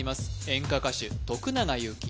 演歌歌手徳永ゆうき